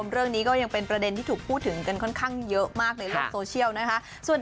เรื่องนี้ก็ยังเป็นประเด็นที่ถูกพูดถึงกันค่อนข้างเยอะมากในโลกโซเชียลนะคะ